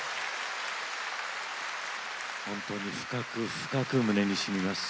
深く深く胸にしみます。